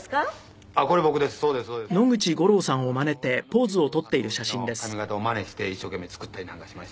当時の髪形をまねして一生懸命作ったりなんかしましてね。